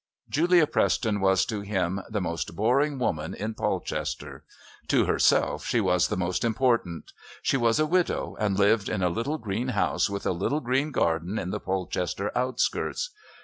Julia Preston was to him the most boring woman in Polchester. To herself she was the most important. She was a widow and lived in a little green house with a little green garden in the Polchester outskirts.